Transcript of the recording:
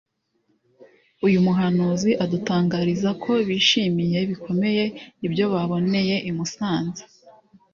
uyu muhanzi adutangariza ko bishimiye bikomeye ibyo baboneye i Musanze